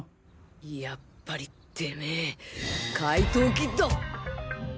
やっぱりてめぇ怪盗キッド！